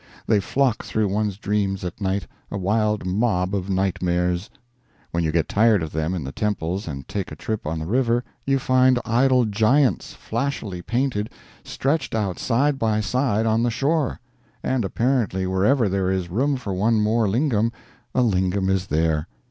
They flock through one's dreams at night, a wild mob of nightmares. When you get tired of them in the temples and take a trip on the river, you find idol giants, flashily painted, stretched out side by side on the shore. And apparently wherever there is room for one more lingam, a lingam is there.